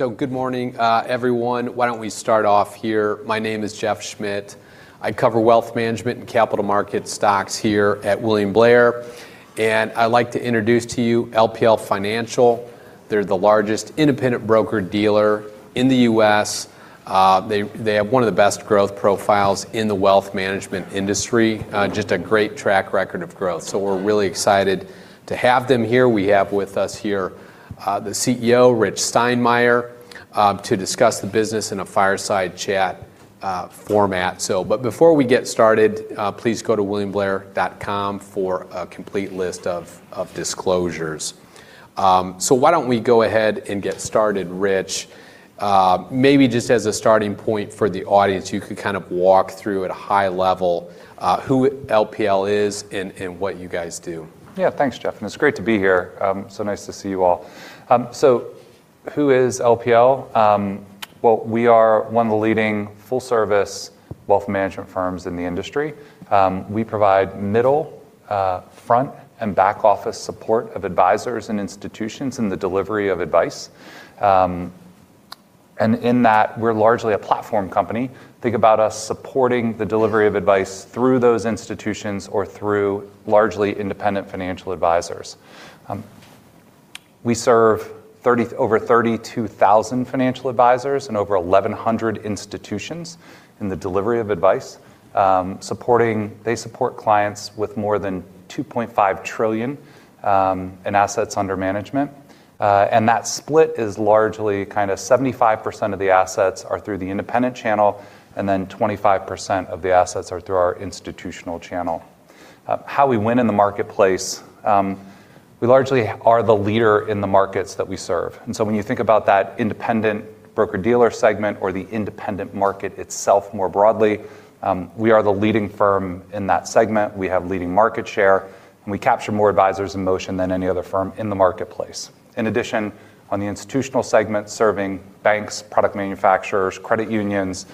Good morning, everyone. Why don't we start off here? My name is Jeff Schmitt. I cover wealth management and capital market stocks here at William Blair. I'd like to introduce to you LPL Financial. They're the largest independent broker-dealer in the U.S. They have one of the best growth profiles in the wealth management industry, just a great track record of growth. We're really excited to have them here. We have with us here, the CEO, Rich Steinmeier, to discuss the business in a fireside chat format. Before we get started, please go to williamblair.com for a complete list of disclosures. Why don't we go ahead and get started, Rich? Maybe just as a starting point for the audience, you could kind of walk through at a high level, who LPL is and what you guys do. Yeah, thanks, Jeff, and it's great to be here. Nice to see you all. Who is LPL? Well, we are one of the leading full service wealth management firms in the industry. We provide middle, front, and back office support of advisors and institutions in the delivery of advice. In that, we're largely a platform company. Think about us supporting the delivery of advice through those institutions or through largely independent financial advisors. We serve over 32,000 financial advisors and over 1,100 institutions in the delivery of advice. They support clients with more than $2.5 trillion in assets under management. That split is largely kind of 75% of the assets are through the independent channel, then 25% of the assets are through our institutional channel. How we win in the marketplace, we largely are the leader in the markets that we serve. When you think about that independent broker-dealer segment or the independent market itself more broadly, we are the leading firm in that segment. We have leading market share, and we capture more advisors in motion than any other firm in the marketplace. In addition, on the institutional segment serving banks, product manufacturers, credit unions,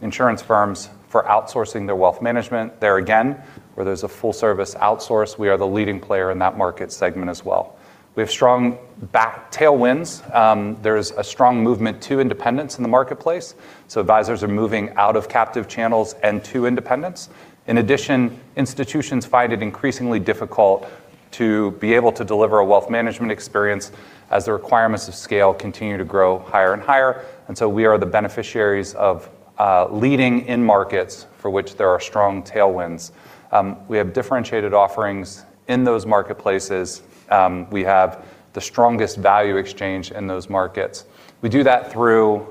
insurance firms for outsourcing their wealth management, there again, where there's a full service outsource, we are the leading player in that market segment as well. We have strong tailwinds. There's a strong movement to independence in the marketplace, so advisors are moving out of captive channels and to independents. In addition, institutions find it increasingly difficult to be able to deliver a wealth management experience as the requirements of scale continue to grow higher and higher. We are the beneficiaries of leading end markets for which there are strong tailwinds. We have differentiated offerings in those marketplaces. We have the strongest value exchange in those markets. We do that through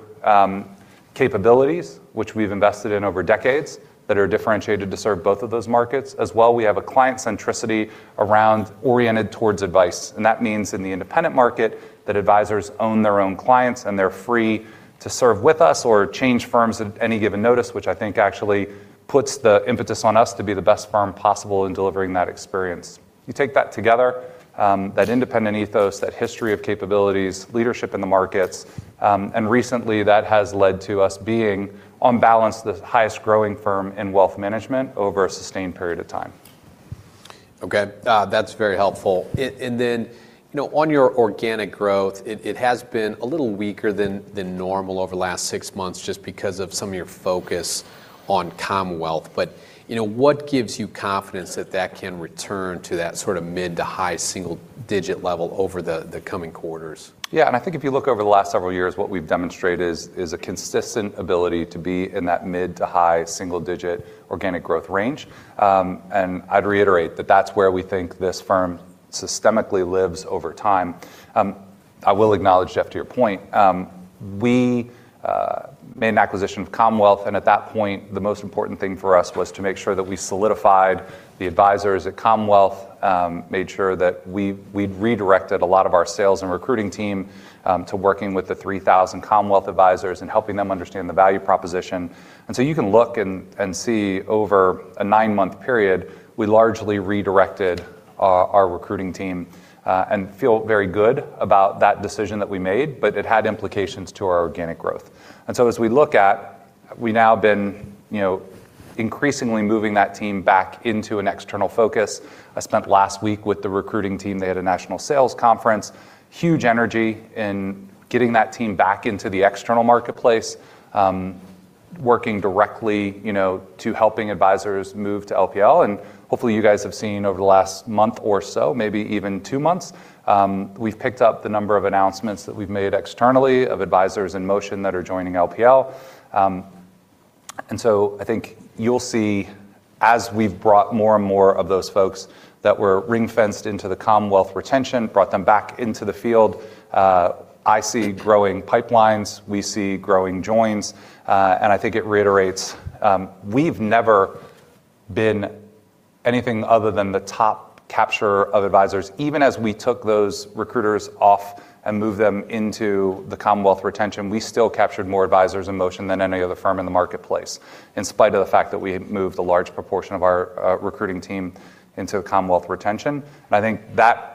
capabilities, which we've invested in over decades, that are differentiated to serve both of those markets. As well, we have a client centricity around oriented towards advice, and that means in the independent market, that advisors own their own clients and they're free to serve with us or change firms at any given notice, which I think actually puts the impetus on us to be the best firm possible in delivering that experience. You take that together, that independent ethos, that history of capabilities, leadership in the markets, and recently that has led to us being, on balance, the highest growing firm in wealth management over a sustained period of time. Okay. That's very helpful. On your organic growth, it has been a little weaker than normal over the last 6 months just because of some of your focus on Commonwealth. What gives you confidence that that can return to that sort of mid to high single digit level over the coming quarters? Yeah, I think if you look over the last several years, what we've demonstrated is a consistent ability to be in that mid to high single-digit organic growth range. I'd reiterate that that's where we think this firm systemically lives over time. I will acknowledge to your point, we made an acquisition of Commonwealth, and at that point, the most important thing for us was to make sure that we solidified the advisors at Commonwealth, made sure that we'd redirected a lot of our sales and recruiting team to working with the 3,000 Commonwealth advisors and helping them understand the value proposition. You can look and see over a 9 month period, we largely redirected our recruiting team and feel very good about that decision that we made, but it had implications to our organic growth. As we look at, we now have been increasingly moving that team back into an external focus. I spent last week with the recruiting team. They had a national sales conference. Huge energy in getting that team back into the external marketplace, working directly to helping advisors move to LPL. Hopefully you guys have seen over the last month or so, maybe even 2 months, we've picked up the number of announcements that we've made externally of advisors in motion that are joining LPL. I think you'll see as we've brought more and more of those folks that were ring-fenced into the Commonwealth retention, brought them back into the field, I see growing pipelines, we see growing joins. I think it reiterates, we've never been anything other than the top capturer of advisors. Even as we took those recruiters off and moved them into the Commonwealth retention, we still captured more advisors in motion than any other firm in the marketplace, in spite of the fact that we had moved a large proportion of our recruiting team into Commonwealth retention. I think that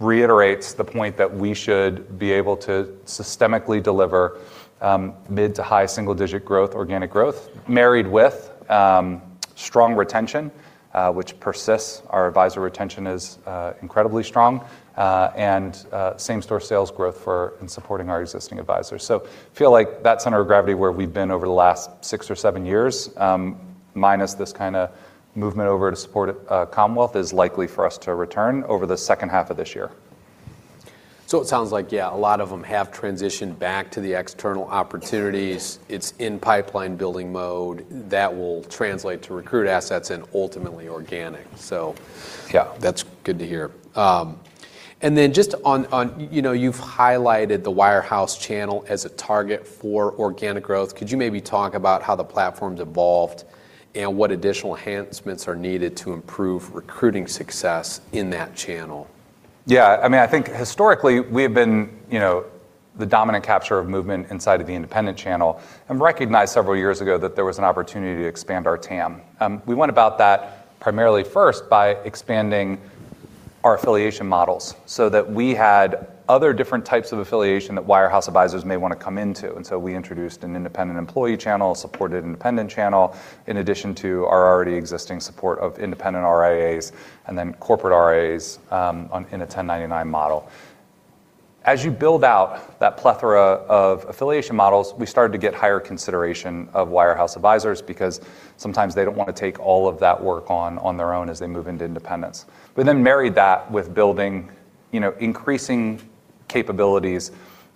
reiterates the point that we should be able to systemically deliver mid to high single-digit organic growth, married with strong retention, which persists. Our advisor retention is incredibly strong, and same-store sales growth in supporting our existing advisors. Feel like that center of gravity where we've been over the last 6 year or 7 years, minus this kind of movement over to support Commonwealth, is likely for us to return over the second half of this year. It sounds like, yeah, a lot of them have transitioned back to the external opportunities. It's in pipeline-building mode. That will translate to recruit assets and ultimately organic. That's good to hear. Just on, you've highlighted the wirehouse channel as a target for organic growth. Could you maybe talk about how the platform's evolved and what additional enhancements are needed to improve recruiting success in that channel? Yeah, I think historically, we have been the dominant capture of movement inside of the independent channel, and recognized several years ago that there was an opportunity to expand our TAM. We went about that primarily first by expanding our affiliation models so that we had other different types of affiliation that wirehouse advisors may want to come into. We introduced an independent employee channel, a supported independent channel, in addition to our already existing support of independent RIAs, and then corporate RIAs in a 1099 model. As you build out that plethora of affiliation models, we started to get higher consideration of wirehouse advisors because sometimes they don't want to take all of that work on their own as they move into independence. We then married that with increasing capabilities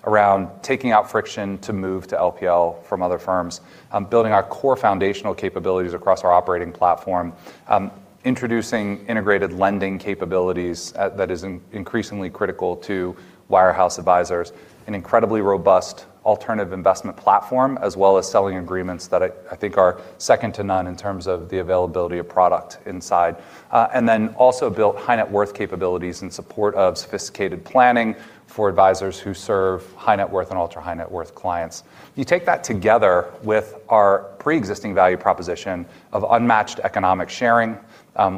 around taking out friction to move to LPL from other firms, building our core foundational capabilities across our operating platform, introducing integrated lending capabilities that is increasingly critical to wirehouse advisors, an incredibly robust alternative investment platform, as well as selling agreements that I think are second to none in terms of the availability of product inside. Also built high net worth capabilities in support of sophisticated planning for advisors who serve high net worth and ultra-high net worth clients. You take that together with our preexisting value proposition of unmatched economic sharing,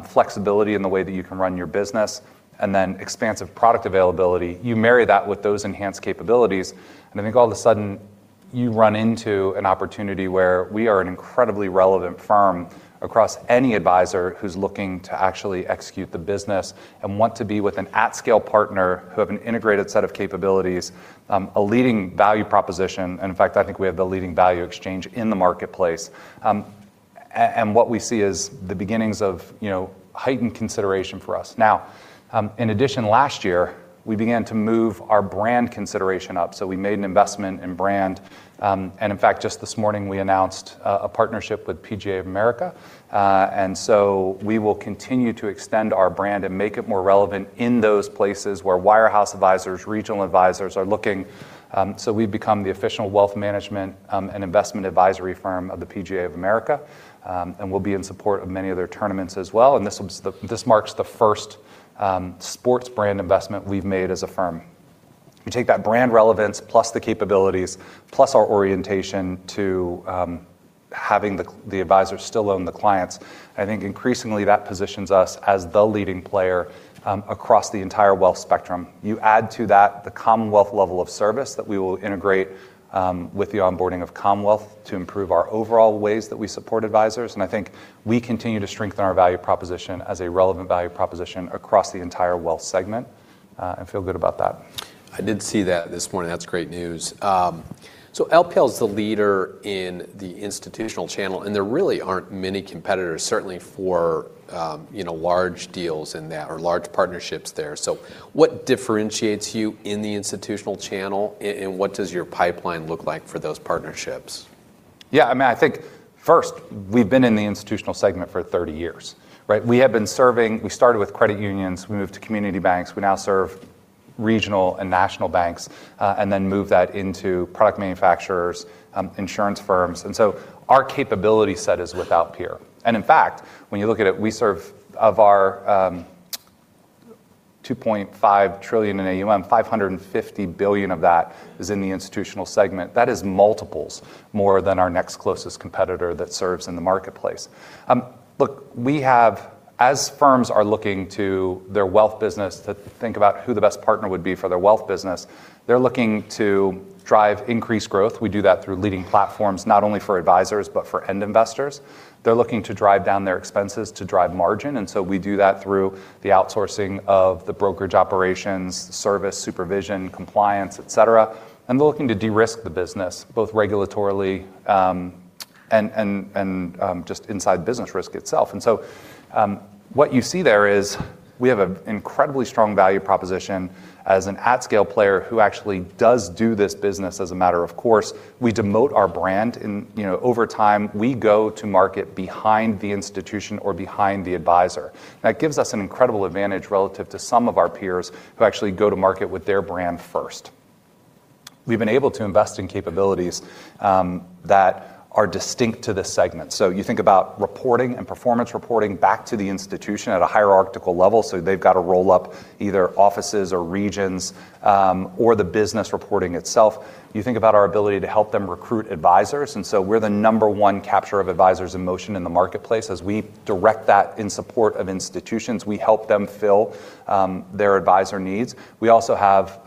flexibility in the way that you can run your business, and then expansive product availability. You marry that with those enhanced capabilities, and I think all of a sudden, you run into an opportunity where we are an incredibly relevant firm across any advisor who's looking to actually execute the business and want to be with an at-scale partner who have an integrated set of capabilities, a leading value proposition, and in fact, I think we have the leading value exchange in the marketplace. What we see is the beginnings of heightened consideration for us. In addition, last year, we began to move our brand consideration up. We made an investment in brand. In fact, just this morning, we announced a partnership with PGA of America. We will continue to extend our brand and make it more relevant in those places where wirehouse advisors, regional advisors are looking. We've become the official wealth management and investment advisory firm of the PGA of America, and we'll be in support of many of their tournaments as well. This marks the first sports brand investment we've made as a firm. You take that brand relevance, plus the capabilities, plus our orientation to having the advisor still own the clients, and I think increasingly that positions us as the leading player across the entire wealth spectrum. You add to that the Commonwealth level of service that we will integrate with the onboarding of Commonwealth to improve our overall ways that we support advisors, and I think we continue to strengthen our value proposition as a relevant value proposition across the entire wealth segment, and feel good about that. I did see that this morning. That's great news. LPL is the leader in the institutional channel, and there really aren't many competitors, certainly for large deals in that, or large partnerships there. What differentiates you in the institutional channel, and what does your pipeline look like for those partnerships? Yeah, I think first, we've been in the institutional segment for 30 years. Right? We started with credit unions, we moved to community banks. We now serve regional and national banks, and then move that into product manufacturers, insurance firms, and so our capability set is without peer. In fact, when you look at it, of our $2.5 trillion in AUM, $550 billion of that is in the institutional segment. That is multiples more than our next closest competitor that serves in the marketplace. Look, as firms are looking to their wealth business to think about who the best partner would be for their wealth business, they're looking to drive increased growth. We do that through leading platforms, not only for advisors, but for end investors. They're looking to drive down their expenses to drive margin. We do that through the outsourcing of the brokerage operations, service, supervision, compliance, et cetera. They're looking to de-risk the business, both regulatorily and just inside business risk itself. What you see there is we have an incredibly strong value proposition as an at-scale player who actually does do this business as a matter of course. We demote our brand over time. We go to market behind the institution or behind the advisor. That gives us an incredible advantage relative to some of our peers who actually go to market with their brand first. We've been able to invest in capabilities that are distinct to this segment. You think about reporting and performance reporting back to the institution at a hierarchical level. They've got to roll up either offices or regions, or the business reporting itself. You think about our ability to help them recruit advisors. We're the number one capture of advisors in motion in the marketplace. As we direct that in support of institutions, we help them fill their advisor needs. We also have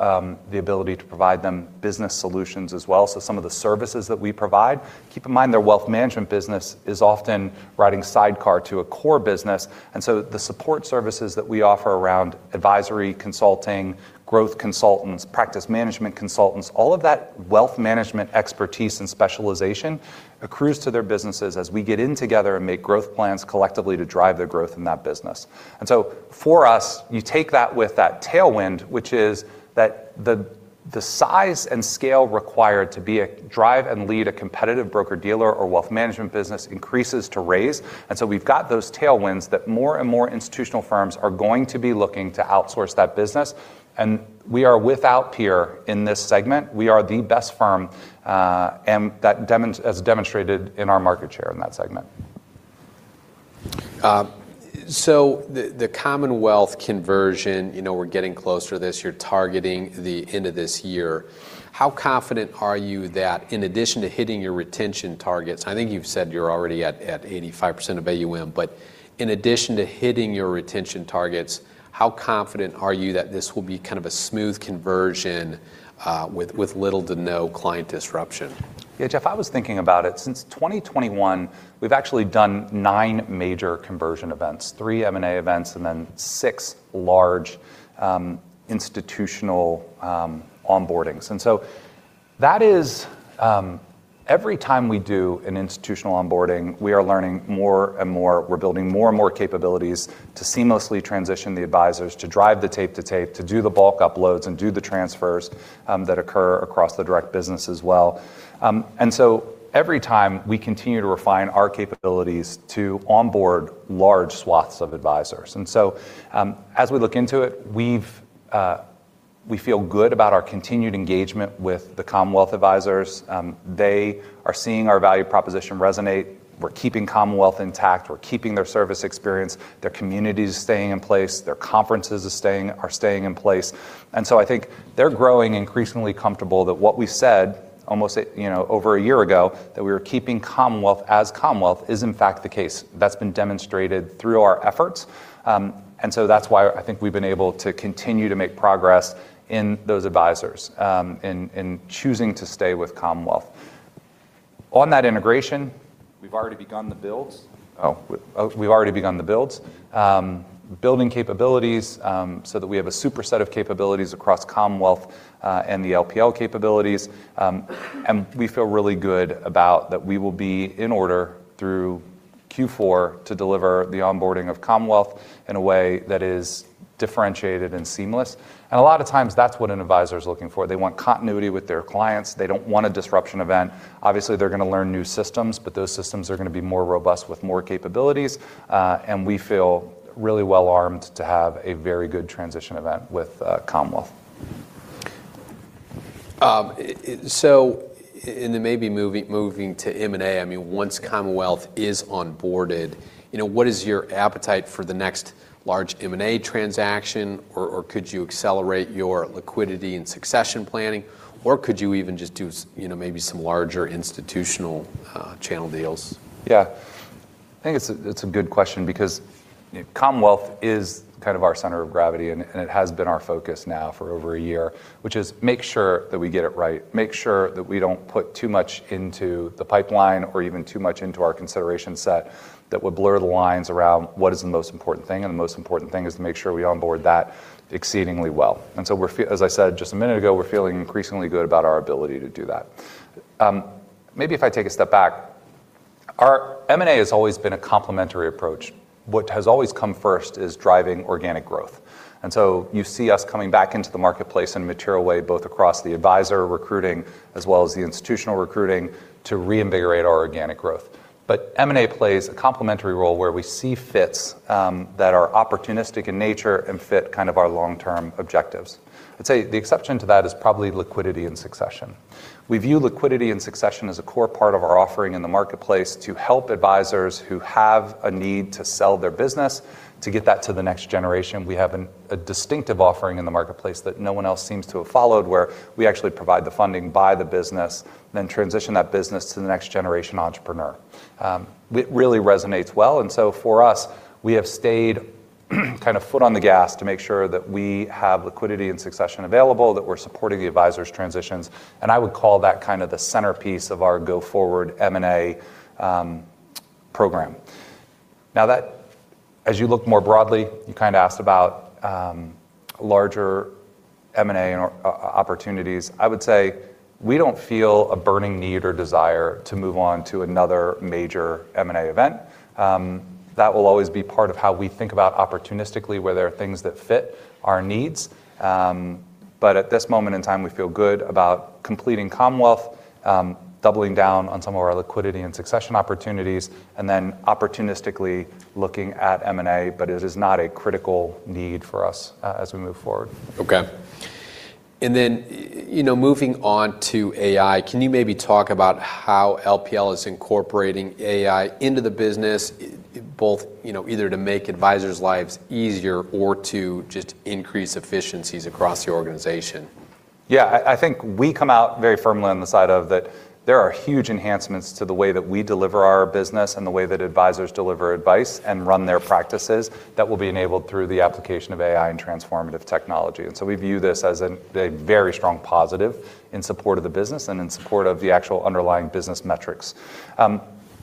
the ability to provide them business solutions as well. Some of the services that we provide, keep in mind, their wealth management business is often riding sidecar to a core business. The support services that we offer around advisory consulting, growth consultants, practice management consultants, all of that wealth management expertise and specialization accrues to their businesses as we get in together and make growth plans collectively to drive their growth in that business. For us, you take that with that tailwind, which is that the size and scale required to drive and lead a competitive broker-dealer or wealth management business increases to rise. We've got those tailwinds that more and more institutional firms are going to be looking to outsource that business. We are without peer in this segment. We are the best firm, as demonstrated in our market share in that segment. The Commonwealth conversion, we're getting closer this year, targeting the end of this year. How confident are you that in addition to hitting your retention targets, I think you've said you're already at 85% of AUM, but in addition to hitting your retention targets, how confident are you that this will be kind of a smooth conversion, with little to no client disruption? Yeah, Jeff, I was thinking about it. Since 2021, we've actually done nine major conversion events, three M&A events, and then six large institutional onboardings. Every time we do an institutional onboarding, we are learning more and more. We're building more and more capabilities to seamlessly transition the advisors, to drive the tape-to-tape, to do the bulk uploads and do the transfers that occur across the direct business as well. Every time we continue to refine our capabilities to onboard large swaths of advisors. As we look into it, we feel good about our continued engagement with the Commonwealth advisors. They are seeing our value proposition resonate. We're keeping Commonwealth intact. We're keeping their service experience, their community is staying in place, their conferences are staying in place. I think they're growing increasingly comfortable that what we said almost over a year ago, that we were keeping Commonwealth as Commonwealth is, in fact, the case. That's been demonstrated through our efforts. That's why I think we've been able to continue to make progress in those advisors, in choosing to stay with Commonwealth. On that integration, we've already begun the builds. Building capabilities so that we have a super set of capabilities across Commonwealth and the LPL capabilities. We feel really good about that we will be in order through Q4 to deliver the onboarding of Commonwealth in a way that is differentiated and seamless. A lot of times, that's what an advisor's looking for. They want continuity with their clients. They don't want a disruption event. Obviously, they're going to learn new systems, but those systems are going to be more robust with more capabilities. We feel really well-armed to have a very good transition event with Commonwealth. In the maybe moving to M&A, once Commonwealth is onboarded, what is your appetite for the next large M&A transaction, or could you accelerate your liquidity and succession planning, or could you even just do maybe some larger institutional channel deals? I think it's a good question because Commonwealth is kind of our center of gravity, and it has been our focus now for over a year, which is make sure that we get it right. Make sure that we don't put too much into the pipeline or even too much into our consideration set that would blur the lines around what is the most important thing, and the most important thing is to make sure we onboard that exceedingly well. As I said just a minute ago, we're feeling increasingly good about our ability to do that. Maybe if I take a step back, our M&A has always been a complementary approach. What has always come first is driving organic growth. You see us coming back into the marketplace in a material way, both across the advisor recruiting as well as the institutional recruiting to reinvigorate our organic growth. M&A plays a complementary role where we see fits that are opportunistic in nature and fit kind of our long-term objectives. I'd say the exception to that is probably liquidity and succession. We view liquidity and succession as a core part of our offering in the marketplace to help advisors who have a need to sell their business to get that to the next generation. We have a distinctive offering in the marketplace that no one else seems to have followed, where we actually provide the funding, buy the business, and then transition that business to the next generation entrepreneur. It really resonates well, for us, we have stayed kind of foot on the gas to make sure that we have liquidity and succession available, that we're supporting the advisor's transitions, and I would call that kind of the centerpiece of our go-forward M&A program. Now that as you look more broadly, you kind of asked about larger M&A opportunities. I would say we don't feel a burning need or desire to move on to another major M&A event. That will always be part of how we think about opportunistically, where there are things that fit our needs. At this moment in time, we feel good about completing Commonwealth, doubling down on some of our liquidity and succession opportunities, and then opportunistically looking at M&A. It is not a critical need for us as we move forward. Okay. Moving on to AI, can you maybe talk about how LPL is incorporating AI into the business, either to make advisors' lives easier or to just increase efficiencies across the organization? Yeah, I think we come out very firmly on the side of that there are huge enhancements to the way that we deliver our business and the way that advisors deliver advice and run their practices that will be enabled through the application of AI and transformative technology. We view this as a very strong positive in support of the business and in support of the actual underlying business metrics.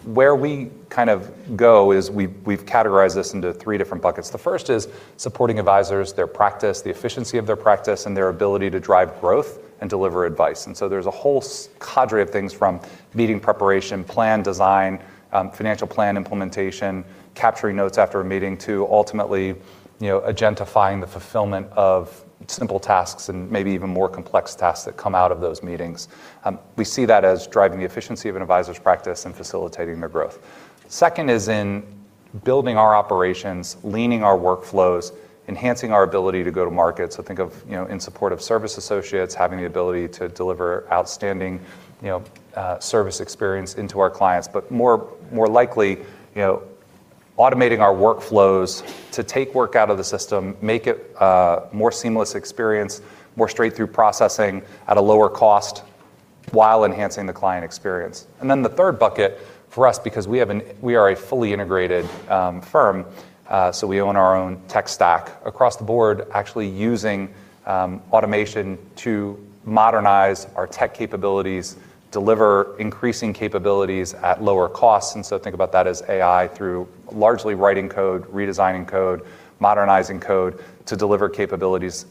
Where we kind of go is we've categorized this into three different buckets. The first is supporting advisors, their practice, the efficiency of their practice, and their ability to drive growth and deliver advice. There's a whole cadre of things from meeting preparation, plan design, financial plan implementation, capturing notes after a meeting to ultimately agentifying the fulfillment of simple tasks and maybe even more complex tasks that come out of those meetings. We see that as driving the efficiency of an advisor's practice and facilitating their growth. Second is in building our operations, leaning our workflows, enhancing our ability to go to market. Think of in support of service associates having the ability to deliver outstanding service experience into our clients, but more likely, automating our workflows to take work out of the system, make it a more seamless experience, more straight-through processing at a lower cost while enhancing the client experience. Then the third bucket for us, because we are a fully integrated firm, so we own our own tech stack. Across the board, actually using automation to modernize our tech capabilities, deliver increasing capabilities at lower cost. Think about that as AI through largely writing code, redesigning code, modernizing code to deliver capabilities,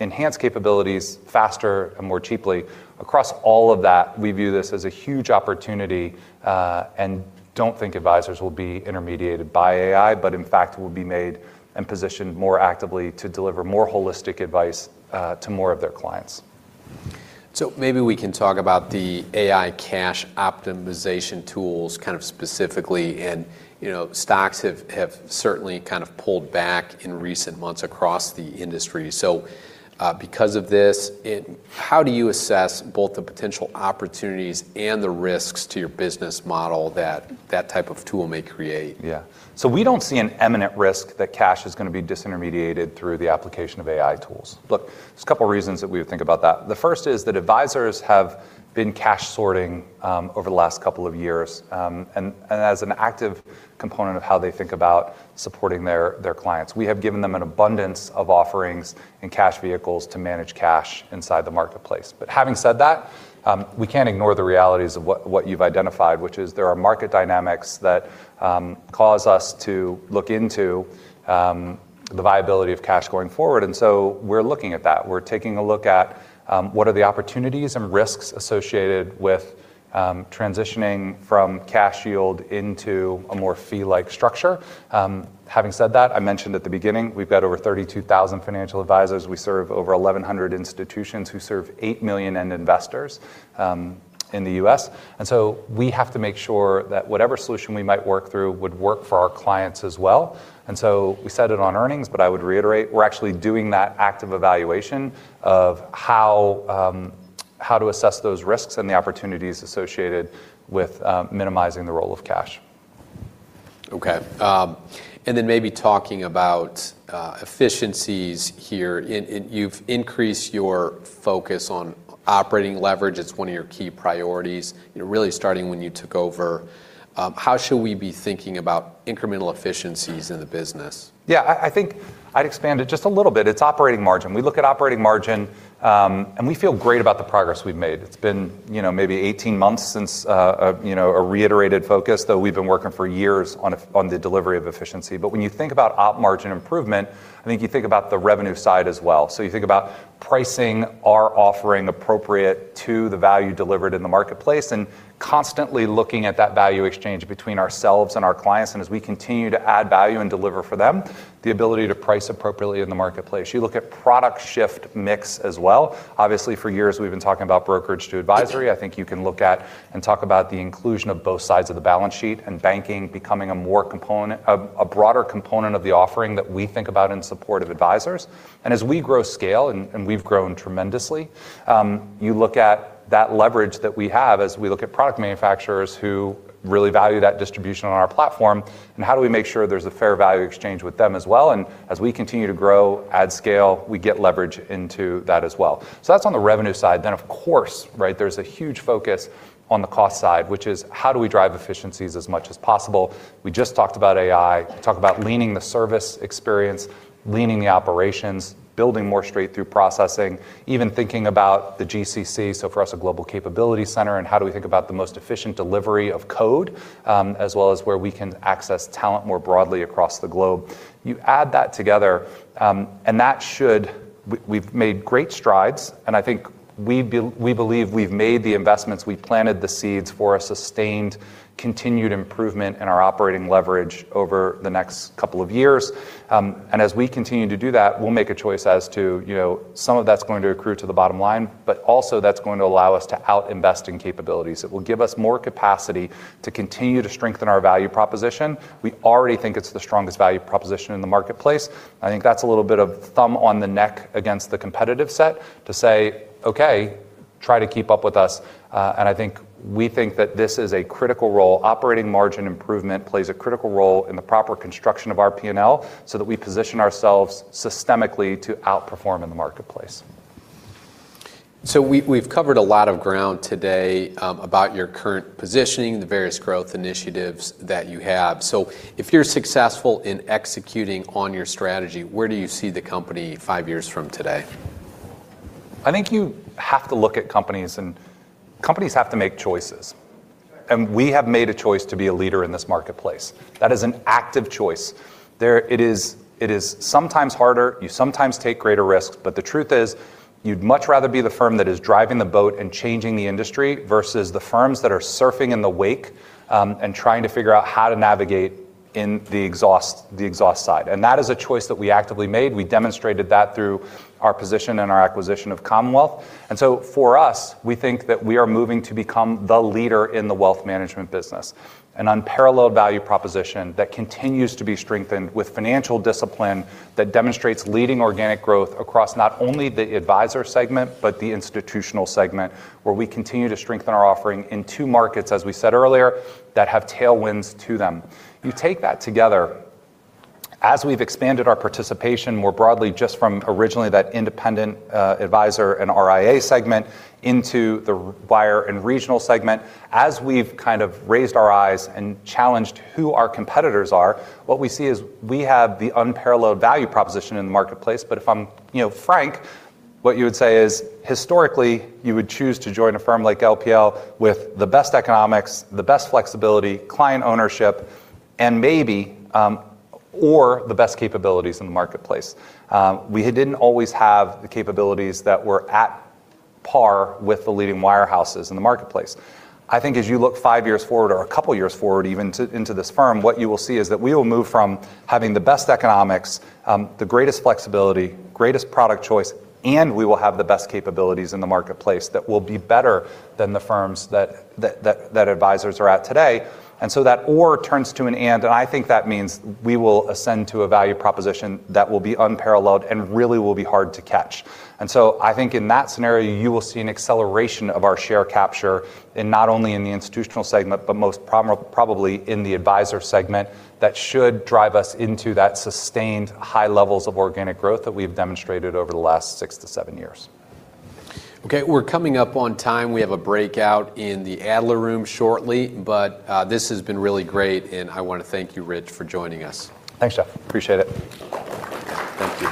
enhance capabilities faster and more cheaply. Across all of that, we view this as a huge opportunity, and don't think advisors will be intermediated by AI, but in fact, will be made and positioned more actively to deliver more holistic advice to more of their clients. Maybe we can talk about the AI cash optimization tools kind of specifically. Stocks have certainly kind of pulled back in recent months across the industry. Because of this, how do you assess both the potential opportunities and the risks to your business model that that type of tool may create? We don't see an imminent risk that cash is going to be disintermediated through the application of AI tools. There's a couple of reasons that we would think about that. The first is that advisors have been cash sorting over the last couple of years, and as an active component of how they think about supporting their clients. We have given them an abundance of offerings and cash vehicles to manage cash inside the marketplace. Having said that, we can't ignore the realities of what you've identified, which is there are market dynamics that cause us to look into the viability of cash going forward. We're looking at that. We're taking a look at what are the opportunities and risks associated with transitioning from cash yield into a more fee-like structure. Having said that, I mentioned at the beginning, we've got over 32,000 financial advisors. We serve over 1,100 institutions who serve 8 million end investors in the U.S. We have to make sure that whatever solution we might work through would work for our clients as well. We said it on earnings, but I would reiterate, we're actually doing that active evaluation of how to assess those risks and the opportunities associated with minimizing the role of cash. Okay. Maybe talking about efficiencies here, and you've increased your focus on operating leverage. It's one of your key priorities, really starting when you took over. How should we be thinking about incremental efficiencies in the business? Yeah, I think I'd expand it just a little bit. It's operating margin. We look at operating margin, we feel great about the progress we've made. It's been maybe 18 months since a reiterated focus, though we've been working for years on the delivery of efficiency. When you think about op margin improvement, I think you think about the revenue side as well. You think about pricing our offering appropriate to the value delivered in the marketplace, and constantly looking at that value exchange between ourselves and our clients, and as we continue to add value and deliver for them, the ability to price appropriately in the marketplace. You look at product shift mix as well. Obviously, for years, we've been talking about brokerage to advisory. I think you can look at and talk about the inclusion of both sides of the balance sheet and banking becoming a broader component of the offering that we think about in support of advisors. As we grow scale, and we've grown tremendously, you look at that leverage that we have as we look at product manufacturers who really value that distribution on our platform, and how do we make sure there's a fair value exchange with them as well. As we continue to grow, add scale, we get leverage into that as well. That's on the revenue side. Of course, there's a huge focus on the cost side, which is how do we drive efficiencies as much as possible. We just talked about AI. We talked about leaning the service experience, leaning the operations, building more straight-through processing, even thinking about the GCC, so for us, a global capability center, and how do we think about the most efficient delivery of code, as well as where we can access talent more broadly across the globe. You add that together, and we've made great strides, and I think we believe we've made the investments; we've planted the seeds for a sustained, continued improvement in our operating leverage over the next couple of years. As we continue to do that, we'll make a choice as to some of that's going to accrue to the bottom line, but also that's going to allow us to out-invest in capabilities, that will give us more capacity to continue to strengthen our value proposition. We already think it's the strongest value proposition in the marketplace. I think that's a little bit of thumb on the neck against the competitive set to say, "Okay. Try to keep up with us." We think that this is a critical role. Operating margin improvement plays a critical role in the proper construction of our P&L so that we position ourselves systemically to outperform in the marketplace. We've covered a lot of ground today about your current positioning, the various growth initiatives that you have. If you're successful in executing on your strategy, where do you see the company five years from today? I think you have to look at companies, and companies have to make choices, and we have made a choice to be a leader in this marketplace. That is an active choice. It is sometimes harder. You sometimes take greater risks, but the truth is, you'd much rather be the firm that is driving the boat and changing the industry versus the firms that are surfing in the wake and trying to figure out how to navigate in the exhaust side. That is a choice that we actively made. We demonstrated that through our position and our acquisition of Commonwealth. For us, we think that we are moving to become the leader in the wealth management business, an unparalleled value proposition that continues to be strengthened with financial discipline that demonstrates leading organic growth across not only the advisor segment, but the institutional segment, where we continue to strengthen our offering in two markets, as we said earlier, that have tailwinds to them. You take that together. As we've expanded our participation more broadly just from originally that independent advisor and RIA segment into the wire and regional segment, as we've kind of raised our eyes and challenged who our competitors are, what we see is we have the unparalleled value proposition in the marketplace. If I'm frank, what you would say is historically, you would choose to join a firm like LPL with the best economics, the best flexibility, client ownership, or the best capabilities in the marketplace. We didn't always have the capabilities that were at par with the leading wirehouses in the marketplace. I think as you look five years forward or a couple of years forward even into this firm, what you will see is that we will move from having the best economics, the greatest flexibility, greatest product choice, and we will have the best capabilities in the marketplace that will be better than the firms that advisors are at today. That or turns to an and I think that means we will ascend to a value proposition that will be unparalleled and really will be hard to catch. I think in that scenario, you will see an acceleration of our share capture in not only in the institutional segment, but most probably in the advisor segment that should drive us into that sustained high levels of organic growth that we've demonstrated over the last 6 years to 7 years. We're coming up on time. We have a breakout in the Adler room shortly, but this has been really great, and I want to thank you, Rich, for joining us. Thanks, Jeff. Appreciate it. Thank you.